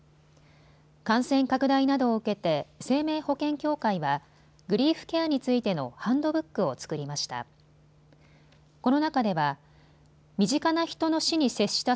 感染拡大などを受けて生命保険協会はグリーフケアについてのハンドブックを作りました。